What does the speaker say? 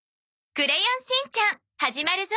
『クレヨンしんちゃん』始まるぞ。